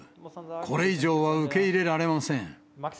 これ以上は受け入れられません。